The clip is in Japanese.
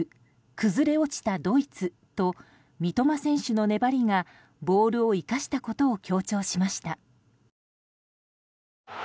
崩れ落ちたドイツと三笘選手の粘りがボールを生かしたことを強調しました。